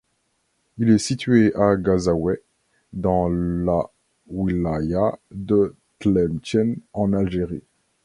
Il est situé à Ghazaouet dans la wilaya de Tlemcen en Algérie.